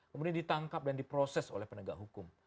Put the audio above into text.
kemudian ditangkap dan diproses oleh penegak hukum